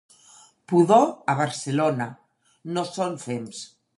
Pudor a Barcelona, no són fems